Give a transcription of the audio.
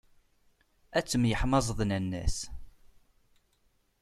Ad temyeḥmaẓ d nanna-s.